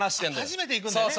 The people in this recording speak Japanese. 初めて行くんだよね？